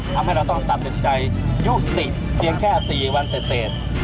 ทำให้เราต้องตัดสินใจยุติเพียงแค่๔วันเสร็จ